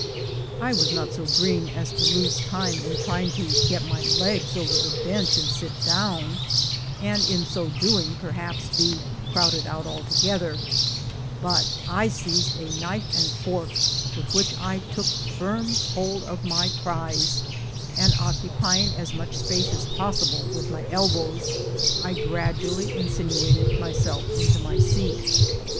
I was not so green as to lose time in trying to get my legs over the bench and sit down, and in so doing perhaps be crowded out altogether; but I seized a knife and fork, with which I took firm hold of my prize, and occupy ing as much space as possible with my elbows, I gradually insinuated myself into my seat.